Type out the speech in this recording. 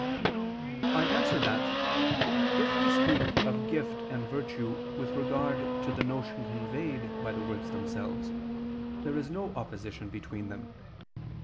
I answer that, If we speak of gift and virtue with regard to the notion conveyed by the words themselves, there is no opposition between them.